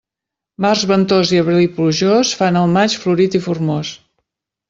Març ventós i abril plujós fan el maig florit i formós.